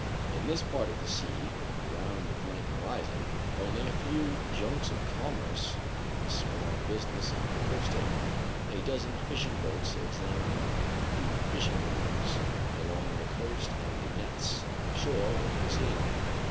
In this part of the sea, around the blank horizon, only a few junks of commerce doing a small business in coasting, a dozen fishing boats examining the fishing grounds along the coast and the nets on the shore, were to be seen.